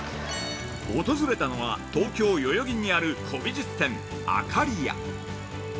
訪れたのは、東京代々木にある古美術店の灯屋。